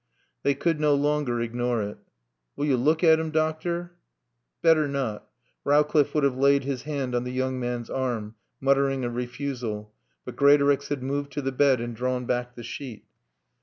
They could no longer ignore it. "Wull yo look at 'Im, doctor?" "Better not ." Rowcliffe would have laid his hand on the young man's arm, muttering a refusal, but Greatorex had moved to the bed and drawn back the sheet.